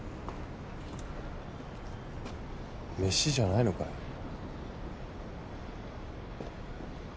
飯じゃないのかよ。